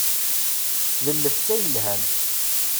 D llebsa yelhan.